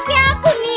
tahan tahan tahan